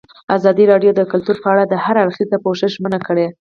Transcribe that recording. ازادي راډیو د کلتور په اړه د هر اړخیز پوښښ ژمنه کړې.